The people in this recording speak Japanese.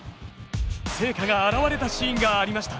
成果が表れたシーンがありました。